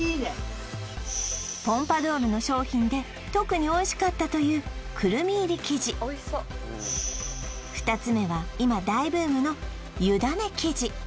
ポンパドウルの商品で特においしかったというくるみ入り生地２つ目は今大ブームの湯種生地